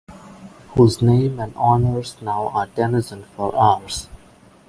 Whose name and honours now are denizened for ours.